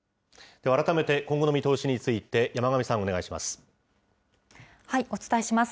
では改めて、今後の見通しについて山神さん、お願いします。